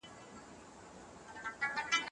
بهرنۍ پالیسي د سولي لاره نه بندوي.